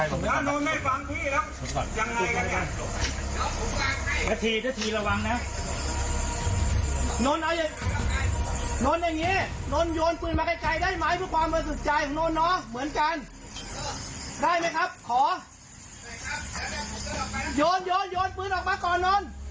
โยนโยนโยนปืนออกมาก่อนโน้น